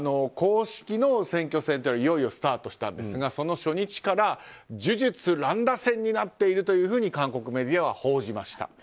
公式の選挙戦というのがいよいよスタートしたんですがその初日から呪術乱打戦になっていると韓国メディアは報じました。